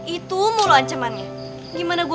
itu mulu ancemannya gimana gua